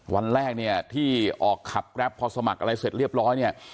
วันแรกเนี่ยที่ออกขับแกรปพอสมัครอะไรเสร็จเรียบร้อยเนี่ย